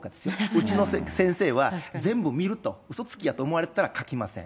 うちの先生は全部見ると、嘘つきやと思われてたら書きません。